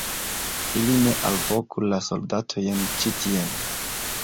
ili ne alvoku la soldatojn ĉi tien!